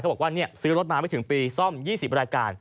บอกว่าซื้อรถมาไม่ถึงปีซ่อม๒๐รายการ